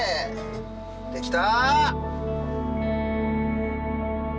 できた！